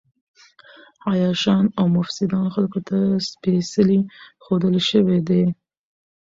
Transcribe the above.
عياشان او مفسدان خلکو ته سپېڅلي ښودل شوي دي.